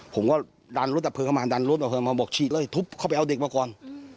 ผมก็ดันรถดับเพลิงเข้ามาดันรถดับเพลิงมาบอกฉีกเลยทุบเข้าไปเอาเด็กมาก่อน